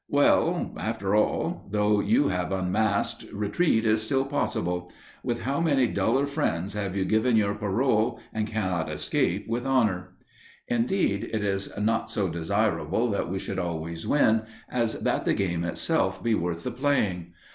Well, after all, though you have unmasked, retreat is still possible. With how many duller friends have you given your parole and cannot escape with honour! Indeed, it is not so desirable that we should always win, as that the game itself be worth the playing.